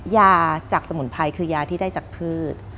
ยาจากสมุนไพรคือยาที่ได้จากพืช